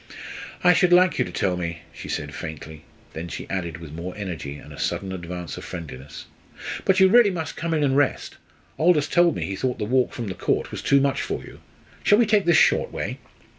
"I should like you to tell me," she said faintly. Then she added, with more energy and a sudden advance of friendliness, "But you really must come in and rest. Aldous told me he thought the walk from the Court was too much for you. Shall we take this short way?"